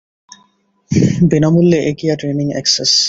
বিনামূল্যে aqua training access.